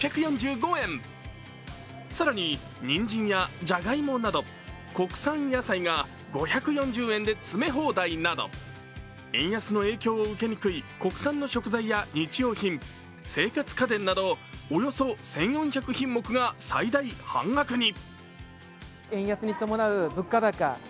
更に、にんじんやじゃがいもなど国産野菜が５４０円で詰め放題など、円安の影響を受けにくい国産の食材や日用品生活家電などおよそ１４００品目が最大半額に。